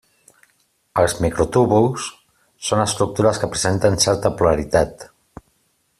Els microtúbuls són estructures que presenten certa polaritat.